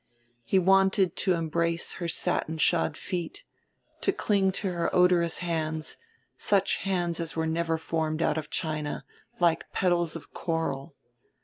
He wanted to embrace her satin shod feet, to cling to her odorous hands, such hands as were never formed out of China, like petals of coral.